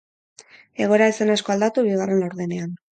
Egoera ez zen asko aldatu bigarren laurdenean.